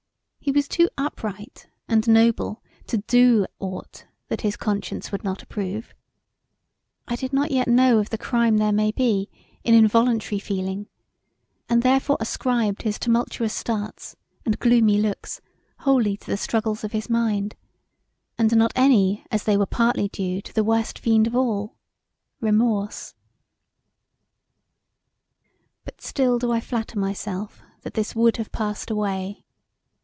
He was too upright and noble to do aught that his conscience would not approve; I did not yet know of the crime there may be in involuntary feeling and therefore ascribed his tumultuous starts and gloomy looks wholly to the struggles of his mind and not any as they were partly due to the worst fiend of all Remorse. But still do I flatter myself that this would have passed away.